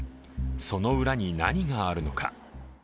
その裏に何があるのか。